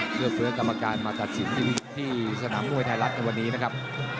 เพื่อเฟื้อกรรมการมาตัดสินจริงที่สนามมวยไทยรัฐในวันนี้นะครับ